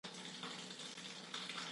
د هندوستان د خلکو هغه وخت یو دود و.